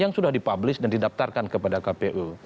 yang sudah dipublish dan didaftarkan kepada kpu